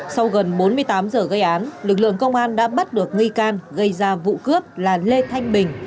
sau gần bốn mươi tám giờ gây án lực lượng công an đã bắt được nghi can gây ra vụ cướp là lê thanh bình